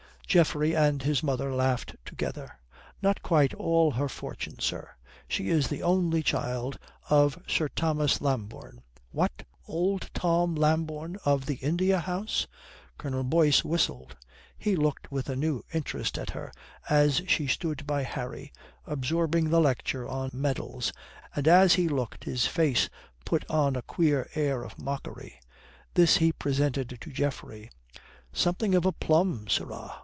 Geoffrey and his mother laughed together. "Not quite all her fortune, sir. She is the only child of Sir Thomas Lambourne." "What! old Tom Lambourne of the India House?" Colonel Boyce whistled. He looked with a new interest at her as she stood by Harry, absorbing the lecture on medals, and as he looked his face put on a queer air of mockery. This he presented to Geoffrey. "Something of a plum, sirrah.